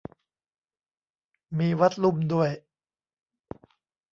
มี วัดลุ่ม ด้วย !